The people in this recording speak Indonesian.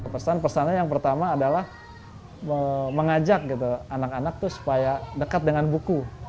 persan persannya yang pertama adalah mengajak anak anak supaya dekat dengan buku